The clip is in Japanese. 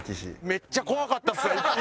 めっちゃ怖かったっすわ。